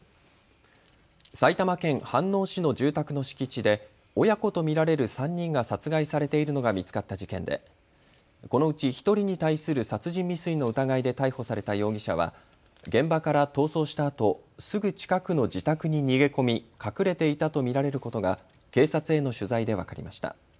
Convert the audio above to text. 埼玉県飯能市の住宅の敷地で親子と見られる３人が殺害されているのが見つかった事件でこのうち１人に対する殺人未遂の疑いで逮捕された容疑者は現場から逃走したあとすぐ近くの自宅に逃げ込み隠れていたとみられることが警察への取材で分かりました。